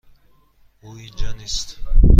او اینجا نیست.